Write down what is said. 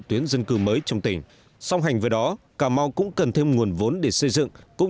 tuyến dân cư mới trong tỉnh song hành với đó cà mau cũng cần thêm nguồn vốn để xây dựng cũng